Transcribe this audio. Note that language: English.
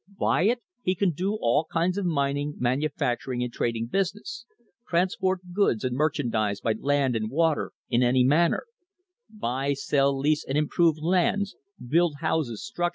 By it he can do all kinds of mining, manufacturing, and trading business; transport goods and merchandise by land and water in any manner; buy, sell, lease, and improve lands; build houses, structures, * See Appendix, Number 53.